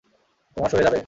তোমার সয়ে যাবে।